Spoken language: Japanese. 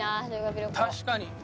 確かに。